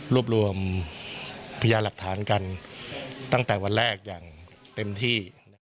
รวบรวมพยานหลักฐานกันตั้งแต่วันแรกอย่างเต็มที่